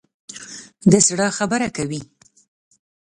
د زړه خبره کوي.